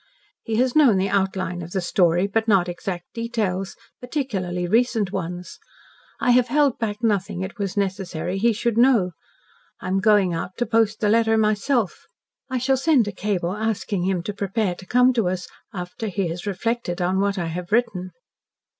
He has known the outline of the story, but not exact details particularly recent ones. I have held back nothing it was necessary he should know. I am going out to post the letter myself. I shall send a cable asking him to prepare to come to us after he has reflected on what I have written."